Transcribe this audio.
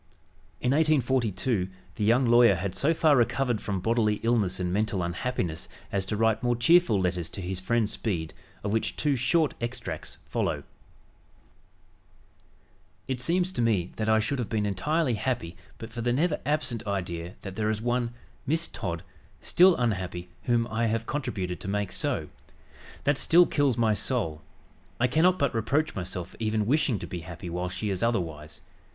In 1842 the young lawyer had so far recovered from bodily illness and mental unhappiness as to write more cheerful letters to his friend Speed of which two short extracts follow: "It seems to me that I should have been entirely happy but for the never absent idea that there is one (Miss Todd) still unhappy whom I have contributed to make so. That still kills my soul. I cannot but reproach myself for even wishing to be happy while she is otherwise.